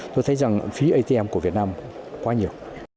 tôi thấy rằng phí atm của việt nam quá nhiều